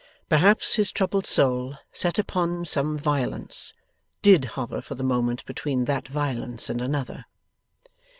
Perhaps his troubled soul, set upon some violence, did hover for the moment between that violence and another.